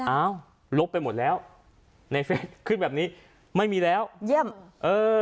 อ้าวลบไปหมดแล้วในเฟสขึ้นแบบนี้ไม่มีแล้วเยี่ยมเออ